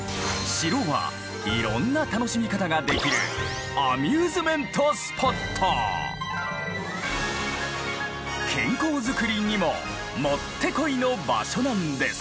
城はいろんな楽しみ方ができる健康作りにももってこいの場所なんです。